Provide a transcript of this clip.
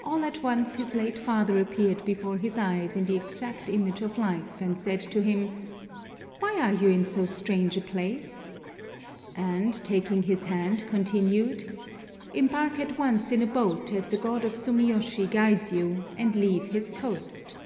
All at once his late father appeared before his eyes in the exact image of life, and said to him, "Why are you in so strange a place?" and taking his hand, continued, "Embark at once in a boat, as the God of Sumiyoshi guides you, and leave this coast."